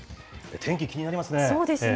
天気、気になりますね。